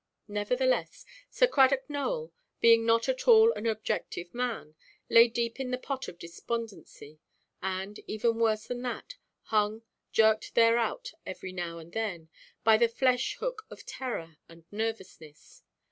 Nevertheless, Sir Cradock Nowell, being not at all an objective man, lay deep in the pot of despondency; and, even worse than that, hung, jerked thereout every now and then, by the flesh–hook of terror and nervousness.